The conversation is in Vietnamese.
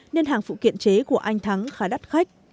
nên hàng phụ kiện chế của anh thắng khá đắt khách